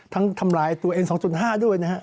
ทั้งทำลายตัวเอง๒๕ด้วยนะครับ